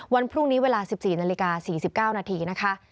วันพรุ่งนี้เวลาสิบสี่นาฬิกาสี่สิบเก้านาทีนะคะ